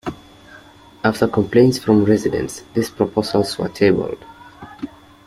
After complaints from residents, these proposals were tabled.